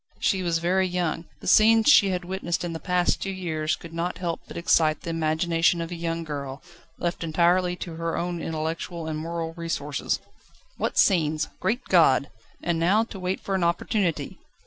She was very young: the scenes she had witnessed in the past two years could not help but excite the imagination of a young girl, left entirely to her own intellectual and moral resources. What scenes! Great God! And now to wait for an opportunity!